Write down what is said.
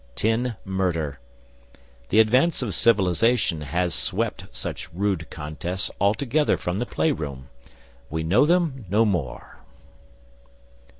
Tin murder. The advance of civilisation has swept such rude contests altogether from the playroom. We know them no more....